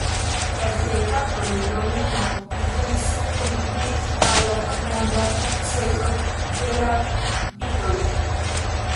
Per siaj kantoj John Lennon esence kontribuis al la tutmonda sukceso de la Beatles.